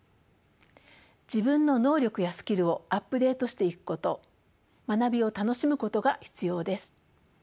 自分の能力やスキルをアップデートしていくこと学びを楽しむことが必要です。